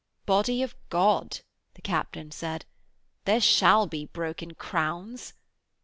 'Body of God,' the captain said, 'there shall be broken crowns.'